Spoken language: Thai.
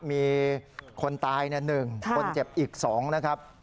มีคนตายหนึ่งคนเจ็บอีกสองนะครับ